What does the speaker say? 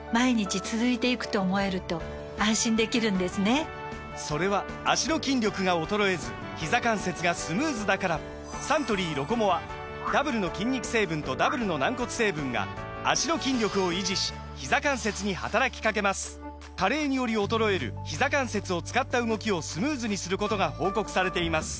サントリー「ロコモア」・それは脚の筋力が衰えずひざ関節がスムーズだからサントリー「ロコモア」ダブルの筋肉成分とダブルの軟骨成分が脚の筋力を維持しひざ関節に働きかけます加齢により衰えるひざ関節を使った動きをスムーズにすることが報告されています